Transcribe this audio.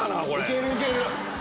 いけるいける！